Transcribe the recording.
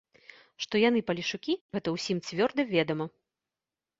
Што яны палешукі, гэта ўсім цвёрда ведама.